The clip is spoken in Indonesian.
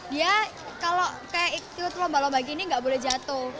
dia kalau kayak itu balo balo begini gak boleh jatuh